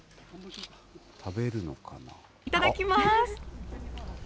いただきます。